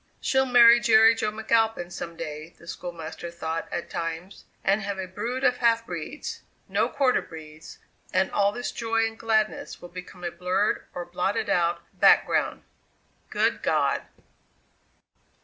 "She'll marry Jerry Jo McAlpin some day," the schoolmaster thought at times; "and have a brood of half breeds no quarter breeds and all this joy and gladness will become a blurred, or blotted out, background. Good God!"